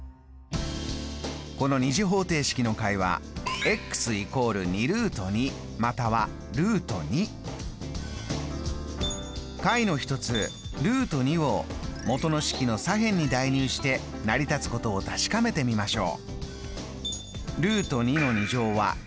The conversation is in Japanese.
この２次方程式の解は解の一つを元の式の左辺に代入して成り立つことを確かめてみましょう。